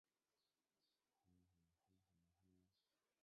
该画现收藏于梵蒂冈的梵蒂冈博物馆。